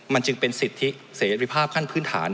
มันจึงเป็นสิทธิเสรีภาพขั้นพื้นฐาน